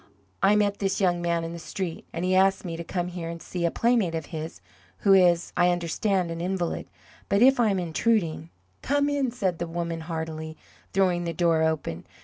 "I met this young man in the street, and he asked me to come here and see a playmate of his who is, I understand, an invalid. But if I am intruding " "Come in," said the woman, heartily, throwing the door open.